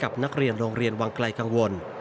นักเรียนโรงเรียนวังไกลกังวล